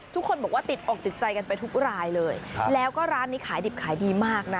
ทุกคนบอกว่าติดอกติดใจกันไปทุกรายเลยแล้วก็ร้านนี้ขายดิบขายดีมากนะ